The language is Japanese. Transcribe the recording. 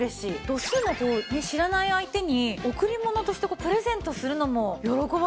度数のこう知らない相手に贈り物としてプレゼントするのも喜ばれますね。